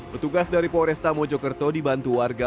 petugas dari polresta mojokerto dibantu warga